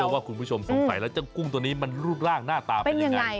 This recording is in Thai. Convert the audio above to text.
ว่าคุณผู้ชมสงสัยแล้วเจ้ากุ้งตัวนี้มันรูปร่างหน้าตาเป็นยังไง